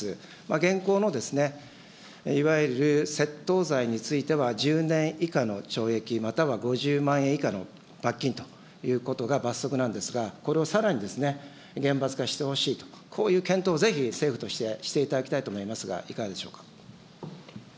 現行のいわゆる窃盗罪については１０年以下の懲役または５０万円以下の罰金ということが罰則なんですが、これをさらに厳罰化してほしいと、こういう検討をぜひ政府としてしていただきたいと思いますが、いかがでしょうか。